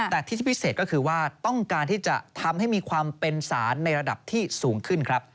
แต่ที่ที่พิเศษก็คือว่าต้องการที่จะทำให้มีความเป็นสารในระดับที่สูงขึ้นครับ